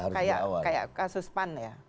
kayak kasus pan ya